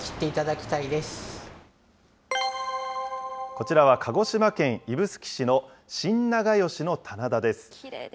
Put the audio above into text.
こちらは鹿児島県指宿市の新永吉の棚田です。